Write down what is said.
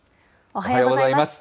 おはようございます。